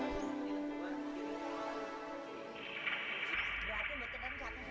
memang tidak pernah menerima pemberitahuan